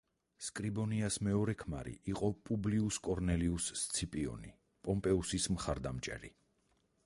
სკრიბონიას მეორე ქმარი იყო პუბლიუს კორნელიუს სციპიონი, პომპეუსის მხარდამჭერი.